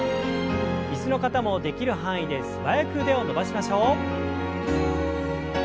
椅子の方もできる範囲で素早く腕を伸ばしましょう。